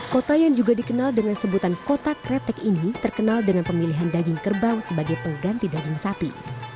kota yang juga dikenal dengan sebutan kota kretek ini terkenal dengan pemilihan daging kerbau sebagai pengganti daging sapi